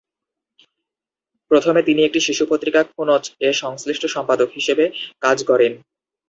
প্রথমে তিনি একটি শিশু পত্রিকা "খুনচ"-এ সংশ্লিষ্ট সম্পাদক হিসেবে কাজ করেন।